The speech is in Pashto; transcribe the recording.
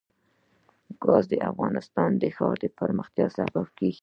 ګاز د افغانستان د ښاري پراختیا سبب کېږي.